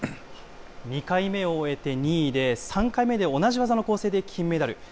２回目を終えて２位で、３回目で同じ技の構成で金メダル。